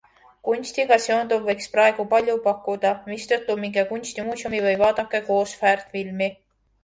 Kunstiga seonduv võiks praegu palju pakkuda, mistõttu minge kunstimuuseumi või vaadake koos väärtfilmi.